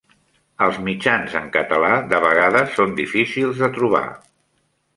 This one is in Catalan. Els mitjans en català de vegades són difícils de trobar.